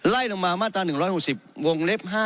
ไล่ลงมามาตรา๑๖๐วงเล็บ๕